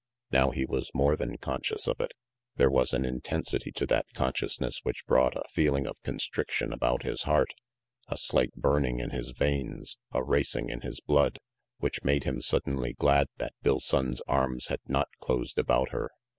Now, he was more than conscious of it. There was an intensity to that consciousness which brought a feeling of constriction about his heart, a slight burning in his veins, a racing of his blood, which made him suddenly glad that Bill Sonnes' arms had not closed about her.